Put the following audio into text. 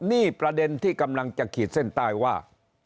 นี่ประเด็นที่กำลังจะขีดเส้นใต้ว่า